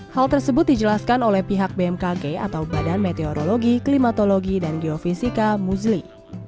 hal tersebut dijelaskan oleh pihak bmkg atau badan meteorologi klimatologi dan geofisika muzli